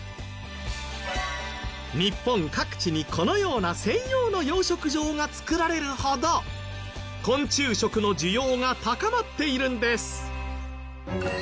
日本各地にこのような専用の養殖場が造られるほど昆虫食の需要が高まっているんです。